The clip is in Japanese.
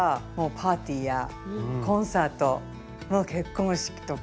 パーティーやコンサート結婚式とか。